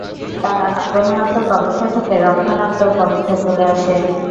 তারা আক্রমণাত্মক অবস্থা থেকে রক্ষণাত্মক অবস্থায় চলে আসে।